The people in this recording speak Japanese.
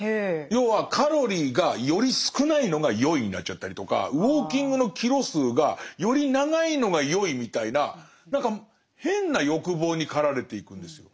要はカロリーがより少ないのがよいになっちゃったりとかウォーキングのキロ数がより長いのがよいみたいな何か変な欲望に駆られていくんですよ。